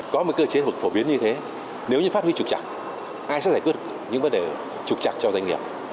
có một cơ chế phổ biến như thế nếu như phát huy trục chặt ai sẽ giải quyết những vấn đề trục chặt cho doanh nghiệp